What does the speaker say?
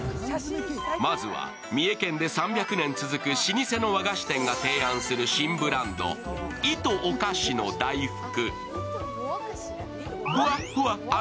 まずは、三重県で３００年続く老舗の和菓子店が提案する新ブランドＩｔＷｏｋａｓｈｉの大福。